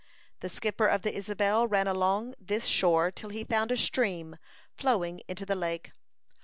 The skipper of the Isabel ran along this shore till he found a stream flowing into the lake.